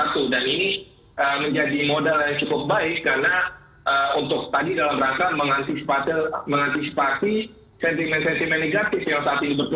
tapi tadi kita lihat masih kita perlu